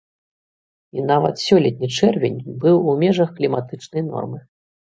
І нават сёлетні чэрвень быў у межах кліматычнай нормы.